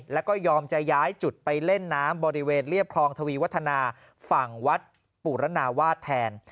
แล้วก็ยอมจะย้ายจุดไปเล่นน้ำบริเวณเรียบคลองทวีวัฒนาฝั่งวัดปุรณาวาสแทน